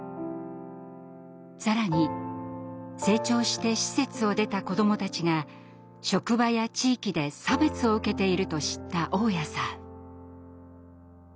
更に成長して施設を出た子どもたちが職場や地域で差別を受けていると知った雄谷さん。